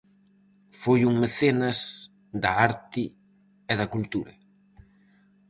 Foi un mecenas da arte e da cultura.